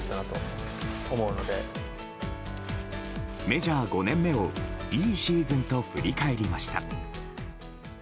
メジャー５年目をいいシーズンと振り返りました。